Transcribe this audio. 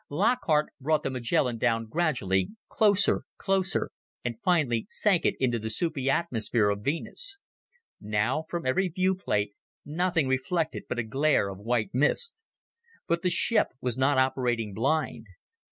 Lockhart brought the Magellan down gradually, closer, closer, and finally sank it into the soupy atmosphere of Venus. Now, from every viewplate, nothing reflected but a glare of white mist. But the ship was not operating blind.